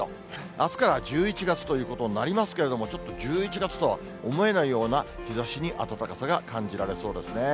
あすから１１月ということになりますけれども、ちょっと１１月とは思えないような日ざしに暖かさが感じられそうですね。